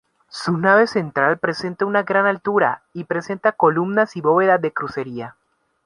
Su nave central presenta una gran altura, y presenta columnas y bóvedas de crucería.